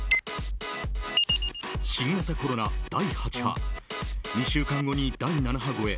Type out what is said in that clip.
新型コロナ、第８波２週間後に第７波超え。